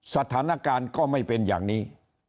สถานการณ์ก็ไม่เป็นอย่างนี้